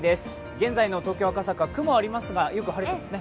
現在の東京・赤坂、雲はありますがよく晴れていますね。